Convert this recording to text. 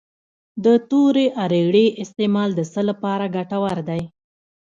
د تورې اریړې استعمال د څه لپاره ګټور دی؟